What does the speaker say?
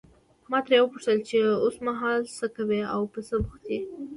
ما ترې وپوښتل چې اوسمهال ته څه کوې او په څه بوخت یې.